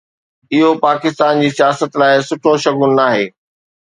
اهو پاڪستان جي سياست لاءِ سٺو شگون ناهي.